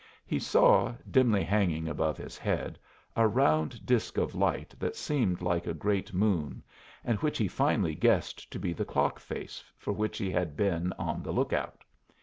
He saw, dimly hanging above his head, a round disk of light that seemed like a great moon, and which he finally guessed to be the clock face for which he had been on the lookout.